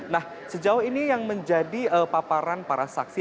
nah sejauh ini yang menjadi paparan para saksi